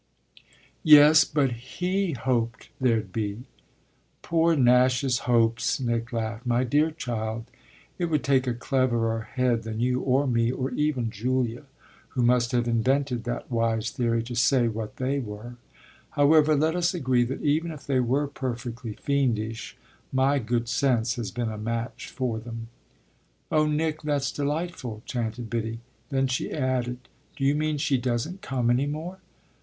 "Yes, but he hoped there'd be." "Poor Nash's hopes!" Nick laughed. "My dear child, it would take a cleverer head than you or me, or even Julia, who must have invented that wise theory, to say what they were. However, let us agree that even if they were perfectly fiendish my good sense has been a match for them." "Oh Nick, that's delightful!" chanted Biddy. Then she added: "Do you mean she doesn't come any more?"